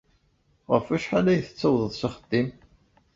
Ɣef wacḥal ay tettawḍeḍ s axeddim?